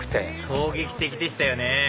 衝撃的でしたよね